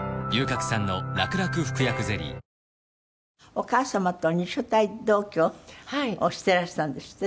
お母様と２所帯同居をしてらしたんですって？